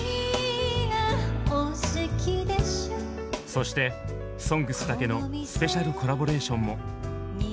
そして「ＳＯＮＧＳ」だけのスペシャルコラボレーションも！